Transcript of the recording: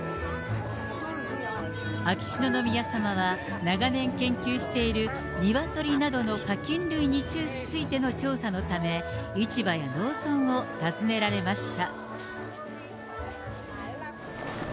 秋篠宮さまは長年研究しているニワトリなどの家きん類についての調査のため、市場や農村を訪ねられました。